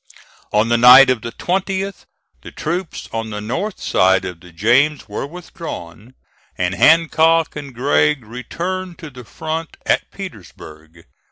On the night of the 20th, the troops on the north side of the James were withdrawn, and Hancock and Gregg returned to the front at Petersburg.